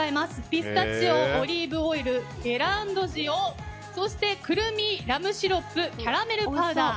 ピスタチオ、オリーブオイルゲランド塩そして、くるみ、ラムシロップキャラメルパウダー。